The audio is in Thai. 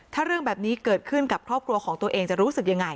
ถ้าเรื่องแบบนี้เกิดขึ้นกับครอบครัวของตัวเองจะรู้สึกยังไง